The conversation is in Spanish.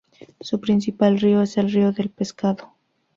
Su principal río es el río del Pescado.